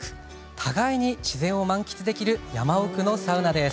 互いに自然を満喫できる山奥のサウナです。